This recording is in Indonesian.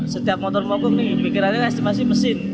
setiap motor mau kem ini pikirannya kan estimasi mesin